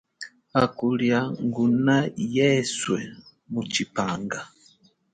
Hangulia nguna yeswe mutshipanga.